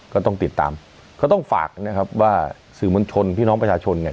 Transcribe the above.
ก็ต้องติดตามก็ต้องฝากนะครับว่าสื่อมวลชนพี่น้องประชาชนเนี่ย